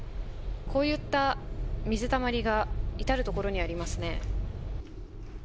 こういった水たまりが至る所にありますね。